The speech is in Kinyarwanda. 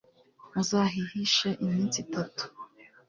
muzahihishe iminsi itatu